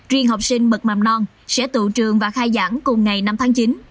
riêng học sinh bậc mạm non sẽ tự trường và khai giảng cùng ngày năm tháng chín